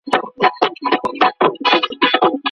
په حضوري ټولګیو کي د زده کوونکو پام ډېر وي؟